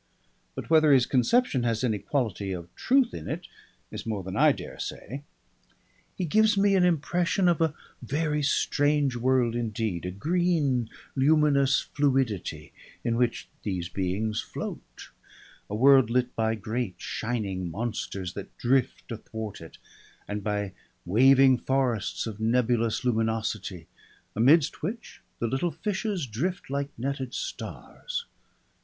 But whether his conception has any quality of truth in it is more than I dare say. He gives me an impression of a very strange world indeed, a green luminous fluidity in which these beings float, a world lit by great shining monsters that drift athwart it, and by waving forests of nebulous luminosity amidst which the little fishes drift like netted stars.